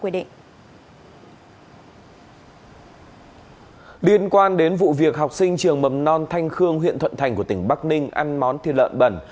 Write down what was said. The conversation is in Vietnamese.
liên quan đến vụ việc học sinh trường mầm non thanh khương huyện thuận thành của tỉnh bắc ninh ăn món thiên lợn bẩn